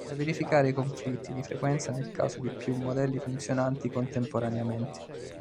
Da verificare i conflitti di frequenza nel caso di più modelli funzionanti contemporaneamente.